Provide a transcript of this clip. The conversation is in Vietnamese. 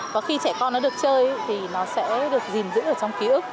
và khi trẻ con nó được chơi thì nó sẽ được gìn giữ ở trong ký ức